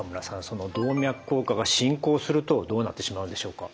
その動脈硬化が進行するとどうなってしまうんでしょうか？